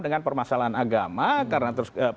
dengan permasalahan agama karena